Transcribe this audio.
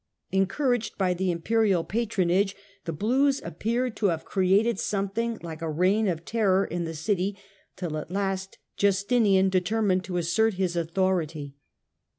Encouraged by the Imperial patronage, the blues appear to have created something like a reign of terror in the city, till at last Justinian determined to assert his authority.